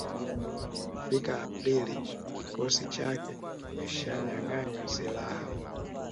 Kufikia Aprili kikosi chake kimeshanyanganywa silaha